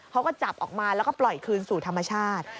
เขาก็จับออกมาแล้วก็ปล่อยคืนสู่ธรรมชาติ